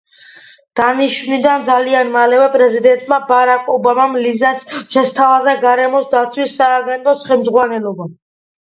დანიშვნიდან ძალიან მალევე პრეზიდენტმა ბარაკ ობამამ ლიზას შესთავაზა გარემოს დაცვის სააგენტოს ხელმძღვანელობა.